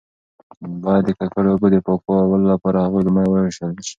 باید د ککړو اوبو د پاکولو لپاره هغوی لومړی وایشول شي.